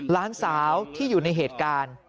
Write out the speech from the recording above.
หลานสาวที่อยู่ในเหตุการณ์